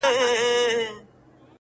• پکښي ډلي د لوټمارو گرځېدلې,